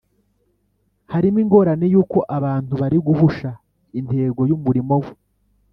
harimo ingorane y’uko abantu bari guhusha intego y’umurimo we